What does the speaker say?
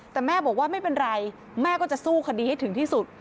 แต่แม่บอกว่าไม่เป็นไรแม่ก็จะสู้คดีให้ถึงที่สุด